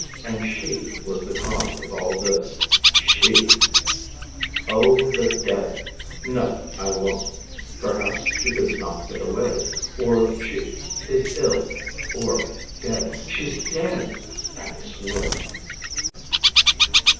And She was the cause of all this—She! "Oh, the Dev——! No, I won't. Perhaps she could not get away, or she is ill, or dead. She's dead!"—and I swore.